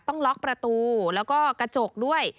ต้องล็อกประตูแล้วก็กระจกด้วย